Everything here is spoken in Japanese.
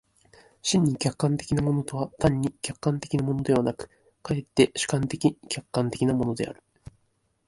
真に客観的なものとは単に客観的なものでなく、却って主観的・客観的なものである。